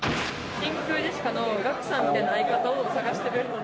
真空ジェシカのガクさんみたいな相方を探してるので。